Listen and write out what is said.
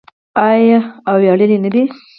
آیا او ویاړلې نه ده؟